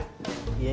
nanti aku marah marah